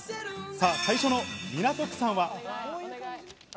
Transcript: さぁ最初の港区さんは。